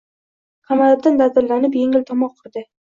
Qamariddin dadillanib, yengil tomoq qirdi